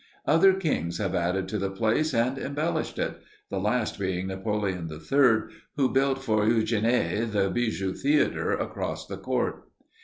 Other kings have added to the place and embellished it; the last being Napoleon III, who built for Eugénie the bijou theater across the court.